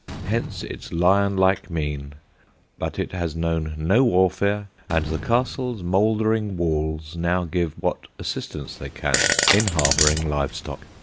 Hence its lion like mien; but it has known no warfare, and the castle's mouldering walls now give what assistance they can in harbouring live stock.